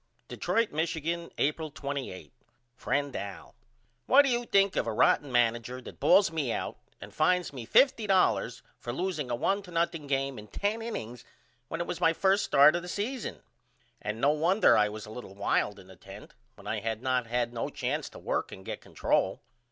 Detroit, Michigan, April 28 FRIEND AL: What do you think of a rotten manager that bawls me out and fines me $50.00 for loosing a 1 to 0 game in 10 innings when it was my 1st start this season? And no wonder I was a little wild in the 10th when I had not had no chance to work and get control.